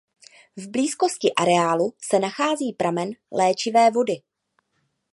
V blízkosti areálu se nachází pramen léčivé vody.